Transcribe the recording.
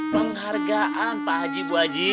penghargaan pak haji bu aji